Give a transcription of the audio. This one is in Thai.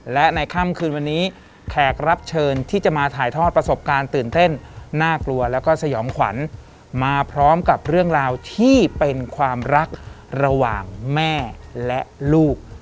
และในค่ำคืนวันนี้แขกรับเชิญที่จะมาถ่ายทอดประสบการณ์ตื่นเต้นน่ากลัวแล้วก็สยองขวัญมาพร้อมกับเรื่องราวที่เป็นความรักระหว่างแม่และลูก